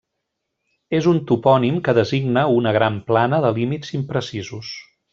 És un topònim que designa una gran plana de límits imprecisos.